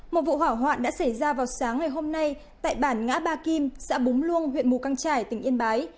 một vụ hỏa hoạn đã xảy ra vào sáng ngày hôm nay tại bản ngã ba kim xã búng luông huyện mù căng trải tỉnh yên bái